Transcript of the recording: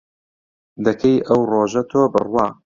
دەکەی ئەو ڕۆژە تۆ بڕوا